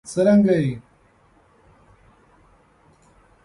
څرنګه یې؟